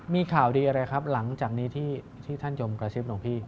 มีข่าวดีอะไรครับหลังจากนี้ที่ท่านยมกระซิบหลวงพี่